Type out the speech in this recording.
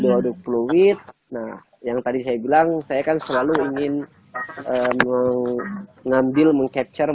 ke waduk kulit nah yang tadi saya bilang saya kan selalu ingin mengambil mengcapture